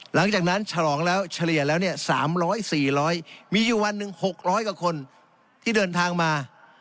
หลังจากนั้นฉลองแล้วเฉลี่ยแล้ว๓๐๐๔๐๐มีอยู่วันนึง๖๐๐กว่าคนที่เดินทางมา